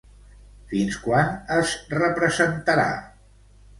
Fins quan es representarà?